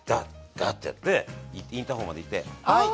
ガッ！ってやってインターホンまで行ってはい。